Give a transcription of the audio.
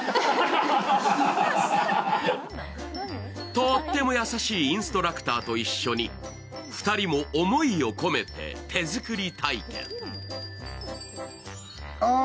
とーっても優しいインストラクターと一緒に２人も思いを込めて手作り体験。